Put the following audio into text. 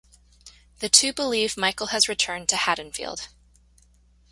The two believe Michael has returned to Haddonfield.